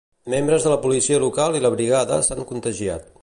Membres de la Policia Local i la Brigada s'han contagiat.